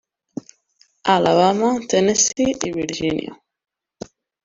Alabama, Tennessee i Virgínia.